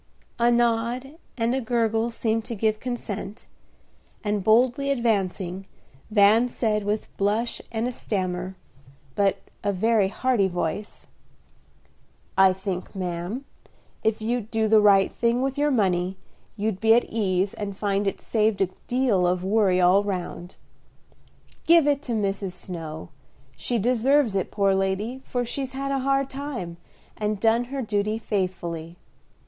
A nod and a gurgle seemed to give consent, and, boldly advancing, Van said, with blush and a stammer, but a very hearty voice, "I think, ma'am, if you'd do the right thing with your money you'd be at ease and find it saved a deal of worry all round. Give it to Mrs. Snow; she deserves it, poor lady, for she's had a hard time, and done her duty faithfully.